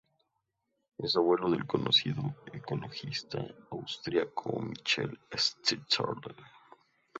Es abuelo del conocido ecologista austríaco Michael Schnitzler.